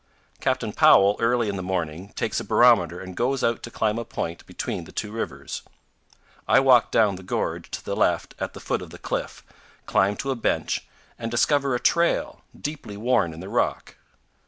Captain Powell early in the morning takes a barometer and goes out to climb a point between the two rivers. I walk down the gorge to the left at the foot of the cliff, climb to a bench, and discover a trail, deeply worn in the rock.